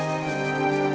kum tak mau